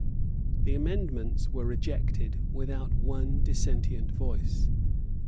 The amendments were rejected without one dissentient voice.